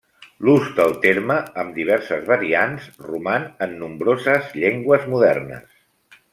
L'ús del terme, amb diverses variants, roman en nombroses llengües modernes.